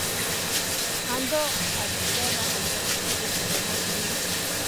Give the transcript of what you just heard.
همدا ادبپاله حوزه که څوک ملامت بولي.